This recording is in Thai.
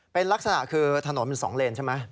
เป็นลักษณะคือถนนมัน๒เลนใช่ไหม